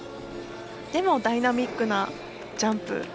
でも、ダイナミックなジャンプ。